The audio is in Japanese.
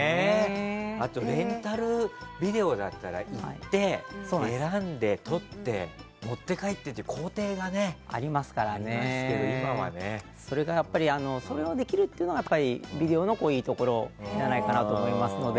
あと、レンタルビデオだったら行って、選んで、取って持って帰ってっていう工程がありますけどそれをできるっていうのがビデオのいいところじゃないかなと思いますので。